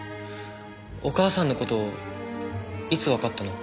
お母さんの事いつわかったの？